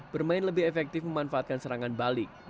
bermain lebih efektif memanfaatkan serangan balik